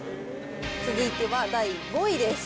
続いては第５位です。